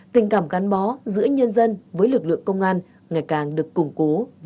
tình cảm gắn bó giữa nhân dân với lực lượng công an ngày càng được củng cố và bền chặt